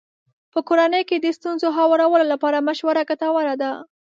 په کورنۍ کې د ستونزو هوارولو لپاره مشوره ګټوره ده.